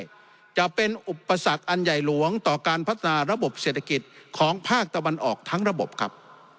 จะเป็นอุปสรรคอันใหญ่หลวงต่อการพัฒนาระบบเศรษฐกิจของภาคตะวันออกทั้งระบบครับ